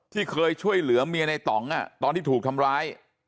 ที่เคยช่วยเหลือเมียในต่องตอนที่ถูกทำร้าย